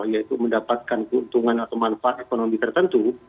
yaitu mendapatkan keuntungan atau manfaat ekonomi tertentu